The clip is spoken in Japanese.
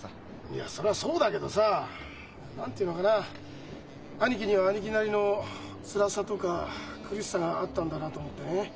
いやそりゃそうだけどさ何て言うのかな兄貴には兄貴なりのつらさとか苦しさがあったんだなと思ってね。